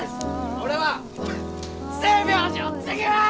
俺は星明寺を継ぎます！